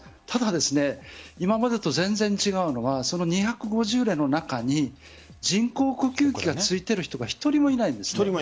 ただ、今までと全然違うのはその２５０例の中に人工呼吸器がついている人が１人もいないんです。